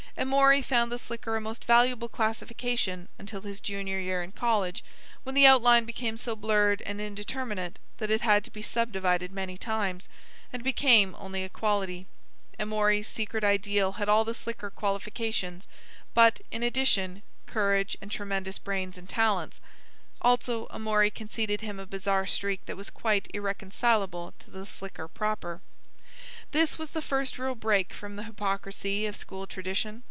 Amory found the slicker a most valuable classification until his junior year in college, when the outline became so blurred and indeterminate that it had to be subdivided many times, and became only a quality. Amory's secret ideal had all the slicker qualifications, but, in addition, courage and tremendous brains and talents—also Amory conceded him a bizarre streak that was quite irreconcilable to the slicker proper. This was a first real break from the hypocrisy of school tradition.